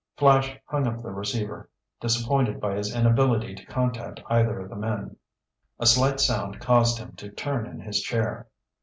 Flash hung up the receiver, disappointed by his inability to contact either of the men. A slight sound caused him to turn in his chair.